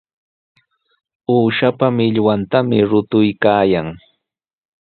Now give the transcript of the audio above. Uushapa millwantami rutuykaayan.